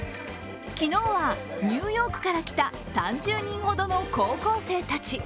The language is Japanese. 昨日はニューヨークから来た３０人ほどの高校生たち。